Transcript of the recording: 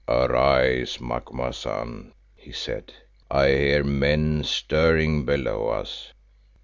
"Arise, Macumazahn," he said, "I hear men stirring below us."